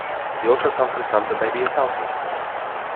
The ultrasound confirmed the baby is healthy.